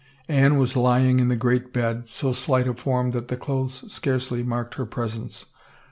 Anne was lying in the great bed, so slight a form that the clothes scarcely marked her presence.